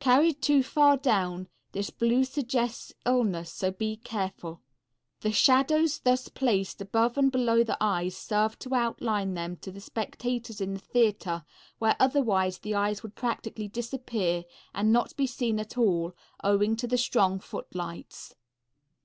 Carried too far down this blue suggests illness, so be careful. The shadows thus placed above and below the eyes serve to outline them to the spectators in the theatre, where otherwise the eyes would practically disappear and not be seen at all owing to the strong footlights.